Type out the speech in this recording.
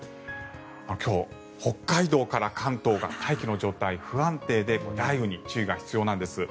今日、北海道から関東が大気の状態が不安定で雷雨に注意が必要なんです。